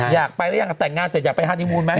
อยากไปหรือยังแต่งงานเสร็จอยากไปฮานีมูลไหม